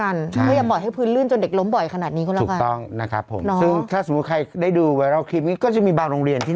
ครูหยิบโทรศัพท์ขึ้นมาแล้วก็บอกมาสายแล้วจ้า